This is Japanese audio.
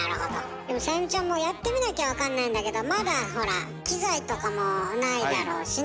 でもさゆみちゃんもやってみなきゃわかんないんだけどまだほら機材とかもないだろうしね。